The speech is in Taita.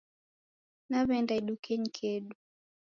Naweenda idukenyi kedu